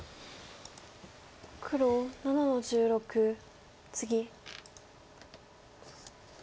黒７の十六ツギ。